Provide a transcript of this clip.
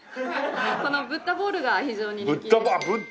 このブッダボウルが非常に人気です。